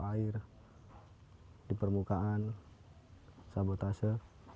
di bawah air di permukaan sabotase